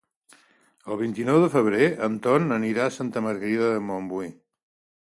El vint-i-nou de febrer en Ton anirà a Santa Margarida de Montbui.